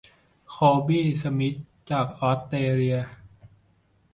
โคบี้ สมิธ จากออสเตรเลีย